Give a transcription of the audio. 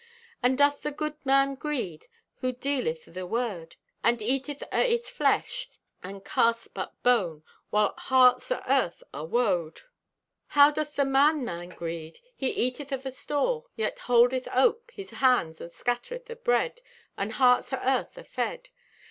How doth the Good man greed, Who dealeth o' the Word? He eateth o' its flesh and casts but bone, While hearts o' Earth are woed. How doth the Man man greed? He eateth o' the store, yet holdeth ope His hands and scattereth o' bread And hearts o' Earth are fed.